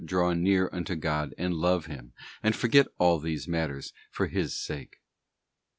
303 draw near unto God, and love Him, and forget all these matters for His sake?